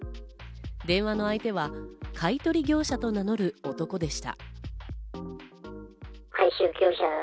電話の相手は買い取り業者と名乗る男でした。